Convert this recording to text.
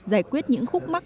giải quyết những khúc mắc